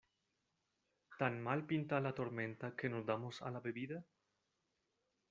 ¿ tan mal pinta la tormenta que nos damos a la bebida?